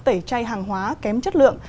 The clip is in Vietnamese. tẩy chay hàng hóa kém chất lượng